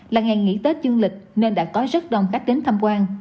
là ngày nghỉ tết dân lịch nên đã có rất đông khách đến thăm quan